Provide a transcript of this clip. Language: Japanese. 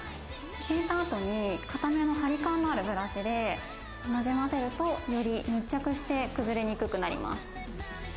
引いた後に固めの張り感のあるブラシで混ぜると、より密着して崩れにくくなります。